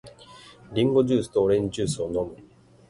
リンゴジュースとオレンジジュースを飲む。